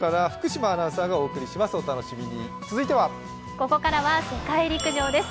ここからは世界陸上です。